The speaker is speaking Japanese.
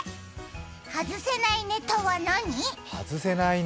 外せないネタは何？